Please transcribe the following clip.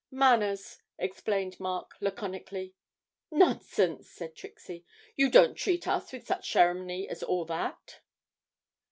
'Manners,' explained Mark, laconically. 'Nonsense,' said Trixie, 'you don't treat us with such ceremony as all that.'